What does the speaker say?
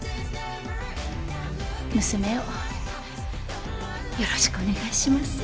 娘をよろしくお願いします。